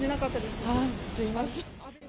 すみません。